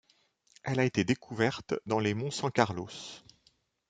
Elle a été découverte dans les monts San Carlos.